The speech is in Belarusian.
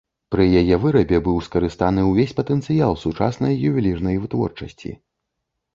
Пры яе вырабе быў скарыстаны ўвесь патэнцыял сучаснай ювелірнай вытворчасці.